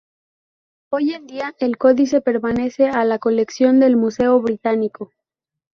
Hoy en día el códice pertenece a la colección del Museo Británico.